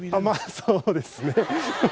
まあ、そうですね。